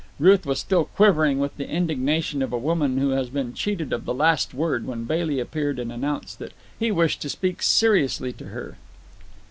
Ruth was still quivering with the indignation of a woman who has been cheated of the last word when Bailey appeared and announced that he wished to speak seriously to her.